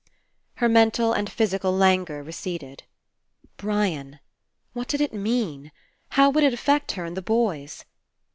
Her mental and physical languor re ceded. Brian. What did it mean? How would it affect her and the boys?